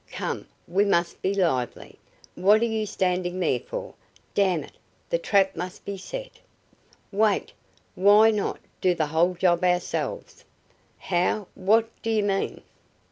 Come, we must be lively! What are you standing there for? Damn it, the trap must be set!" "Wait! Why not do the whole job ourselves?" "How what do you mean?"